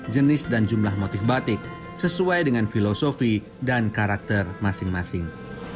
jenis dan jumlah motif batik sesuai dengan filosofi dan karakter masing masing